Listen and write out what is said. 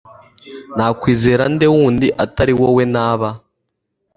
nakwizera nde wundi atari wowe, naba